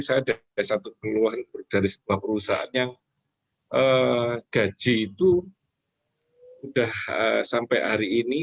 saya ada satu keluhan dari sebuah perusahaan yang gaji itu sudah sampai hari ini